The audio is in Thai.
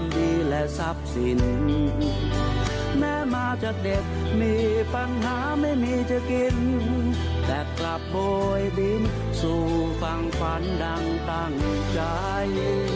อย่างนี้จะกินแต่กลับโหยติ้มสุสังควรนั่งตั่งใจ